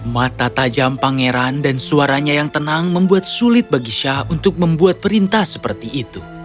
mata tajam pangeran dan suaranya yang tenang membuat sulit bagi syah untuk membuat perintah seperti itu